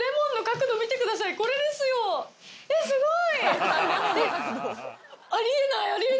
えっすごい！